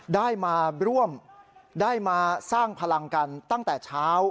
ได้มาร่วมได้มาสร้างพลังกันตั้งแต่เช้า